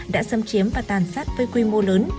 đã xâm chiếm và tàn sát với quy mô lớn